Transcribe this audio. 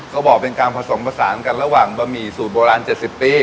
ก็บอกเป็นการผสมผสานกันระหว่างบะหมี่สูตรโบราณ๗๐ปี